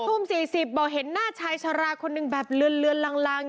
ทุ่ม๔๐บอกเห็นหน้าชายชาราคนหนึ่งแบบเลือนลาง